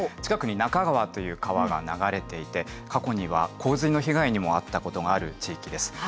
近くに中川という川が流れていて過去には洪水の被害にも遭ったことがある地域です。